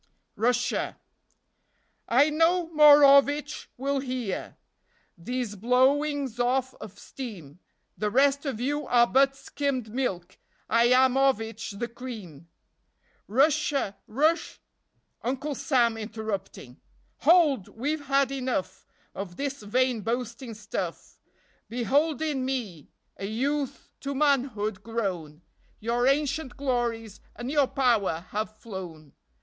Russia : I no moreovitch will hear These blowingsoff of steam; The rest of you are but skimmed milk, I amovitch the cream ! [3i ] Russia! Rus Uncle Sam (Interrupting) — Hold! We've had enough Of this vain boasting stuff. Behold in me A youth to manhood grown; Your ancient glories And your power have flown.